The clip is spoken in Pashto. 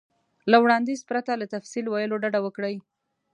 له وړاندیز پرته له تفصیل ویلو ډډه وکړئ.